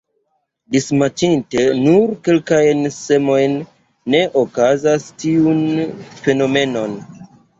Dismaĉinte nur kelkajn semojn ne okazas tiun fenomenon.